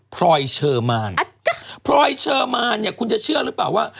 พลอยเชอร์มานพลอยเชอร์มานเนี่ยคุณจะเชื่อหรือเปล่าว่า